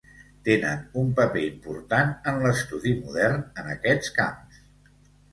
Tenen un paper important en l'estudi modern en aquests camps.